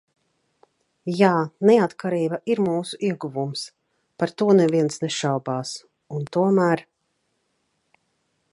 Jā – neatkarība ir mūsu ieguvums. Par to neviens nešaubās. Un tomēr...